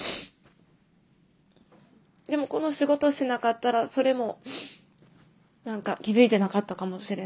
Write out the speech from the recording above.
でもこの仕事してなかったらそれも何か気付いてなかったかもしれないですね。